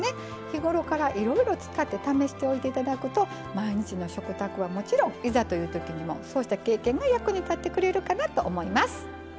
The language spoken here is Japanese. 日頃からいろいろ使って試しておいていただくと毎日の食卓はもちろんいざというときにもそうした経験が役に立ってくれるかなと思います。